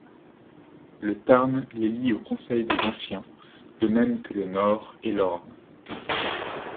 Le Tarn l'élit au Conseil des Anciens, de même que le Nord et l'Orne.